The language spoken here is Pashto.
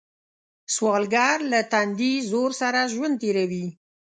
سوالګر له تندي زور سره ژوند تېروي